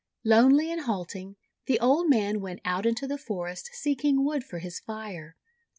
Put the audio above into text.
Lonely and halting, the old man went out into the forest seeking wood for his fire.